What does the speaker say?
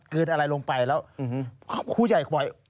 กืนอะไรลงไปแล้วคู่ใหญ่บ่อย